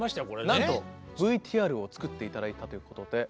なんとＶＴＲを作って頂いたということで。